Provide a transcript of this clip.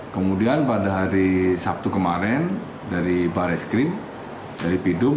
kemudian pada hari sabtu kemarin dari bareskrim dari biduk